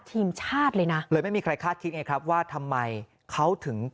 ทีมชาติเลยนะเลยไม่มีใครคาดคิดไงครับว่าทำไมเขาถึง